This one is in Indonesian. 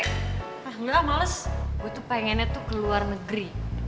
ah nggak males gue tuh pengennya tuh ke luar negeri